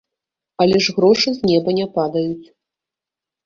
Але ж грошы з неба не падаюць.